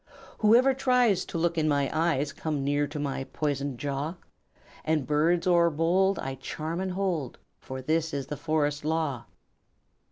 "Whoever tries To look in my eyes Comes near to my poisoned jaw; And birds o'erbold I charm and hold, For this is the Forest Law."